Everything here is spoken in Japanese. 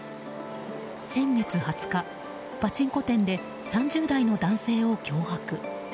先月２０日、パチンコ店で３０代の男性を脅迫。